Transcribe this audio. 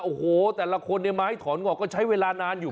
โอ้โหแต่ละคนเนี่ยไม้ถอนงอกก็ใช้เวลานานอยู่